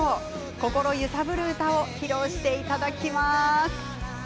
心揺さぶる歌を披露していただきます。